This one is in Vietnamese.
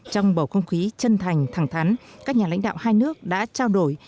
trong bầu không khí chân thành thẳng thắn các nhà lãnh đạo hai nước đã trao đổi